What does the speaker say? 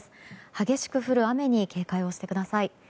激しく降る雨に警戒をしてください。